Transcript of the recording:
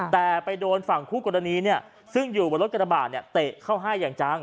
แต่ไปโดนฝั่งคู่กรณีเนี่ยซึ่งอยู่บนรถกระบาดเนี่ยเตะเข้าให้อย่างจัง